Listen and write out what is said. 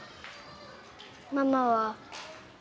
ママは。